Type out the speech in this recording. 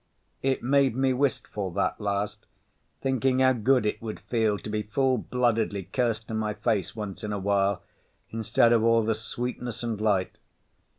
It made me wistful, that last, thinking how good it would feel to be full bloodedly cursed to my face once in a while instead of all the sweetness and light.